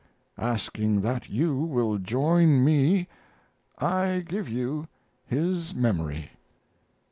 Asking that you will join me, I give you his Memory.